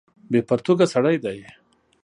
بې پرتوګه سړی دی.